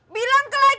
bilang ke laki lo